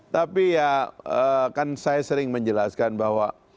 tapi ya kan saya sering menjelaskan bahwa